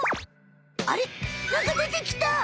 あれなんかでてきた！